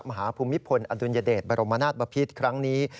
ภูมิพลอดุลยเดชบรมนาศบพิษครั้งนี้